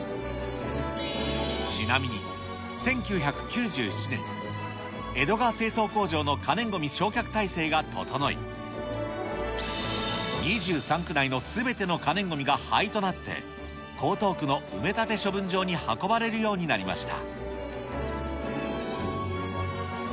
ちなみに、１９９７年、江戸川清掃工場の可燃ごみ焼却体制が整い、２３区内のすべての可燃ごみが灰となって、江東区の埋め立て処分場に運ばれるようになりました。